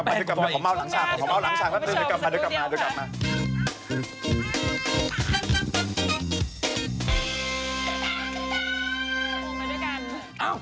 พี่โป๊ะลองกูมาจอบไม่ไหวเหมือนกัน